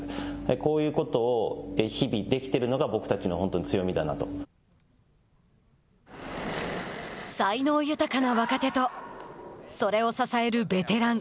こういうことを日々できているのが才能豊かな若手とそれを支えるベテラン。